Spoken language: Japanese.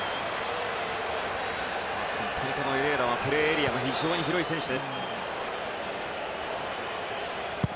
本当にエレーラはプレーエリアが非常に広い選手。